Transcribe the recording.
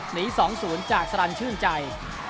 หนีสองศูนย์จากสรรชื่นใจ